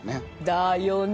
だよね！